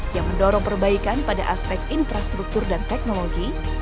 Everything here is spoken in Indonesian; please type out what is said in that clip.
yang mendorong perbaikan pada aspek infrastruktur dan teknologi